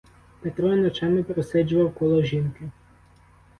Петро ночами просиджував коло жінки.